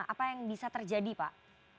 apa yang bisa terjadi pak